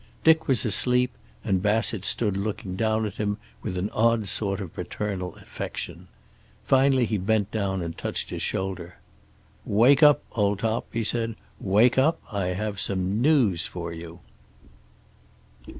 Dick was asleep, and Bassett stood looking down at him with an odd sort of paternal affection. Finally he bent down and touched his shoulder. "Wake up, old top," he said. "Wake up. I have some news for you."